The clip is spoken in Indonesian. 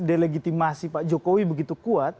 delegitimasi pak jokowi begitu kuat